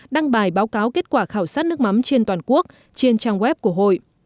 đăng bài báo cáo kết quả khảo sát nước mắm trên toàn quốc trên trang web của hội